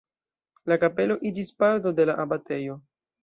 La kapelo iĝis parto de la abatejo.